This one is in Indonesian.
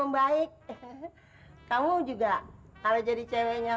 orang orang biar cabut takut yok